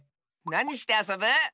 なにしてあそぶ？